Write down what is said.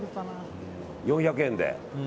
４００円で。